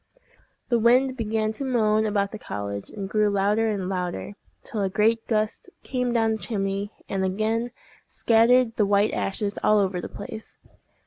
The wind began to moan about the cottage, and grew louder and louder, till a great gust came down the chimney, and again scattered the white ashes all over the place.